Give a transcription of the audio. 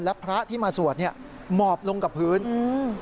และพระที่มาสวดเนี้ยหมอบลงกับพื้นอืม